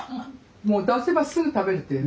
もう出せばすぐ食べるっていう。